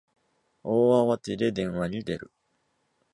大慌てで電話に出る